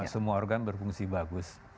semua organ berfungsi bagus